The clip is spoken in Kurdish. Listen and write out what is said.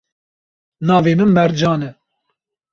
Navê min Mercan e.